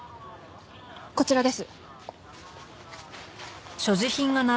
こちらです。